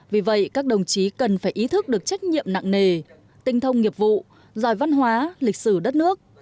vì vậy các đồng chí cần phải ý thức được trách nhiệm nặng nề tinh thông nghiệp vụ giỏi văn hóa lịch sử đất nước